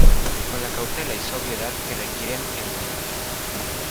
Con la cautela y sobriedad que requieren el momento